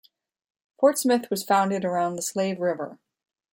Fort Smith was founded around the Slave River.